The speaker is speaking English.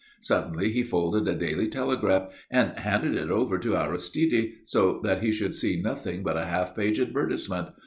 Suddenly he folded a Daily Telegraph, and handed it over to Aristide so that he should see nothing but a half page advertisement.